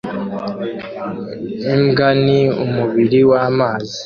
Imbwa ni umubiri w'amazi